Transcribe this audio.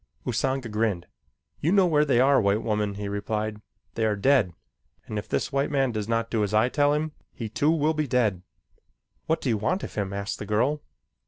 Usanga grinned. "You know where they are, white woman," he replied. "They are dead, and if this white man does not do as I tell him, he, too, will be dead." "What do you want of him?" asked the girl.